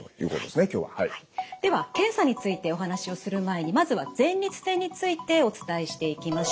では検査についてお話をする前にまずは前立腺についてお伝えしていきましょう。